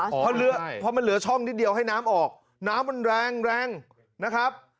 เพราะมันเหลือช่องนิดเดียวให้น้ำออกน้ำมันแรงแรงนะครับ